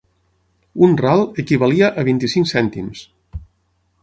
Un ral equivalia a vint-i-cinc cèntims.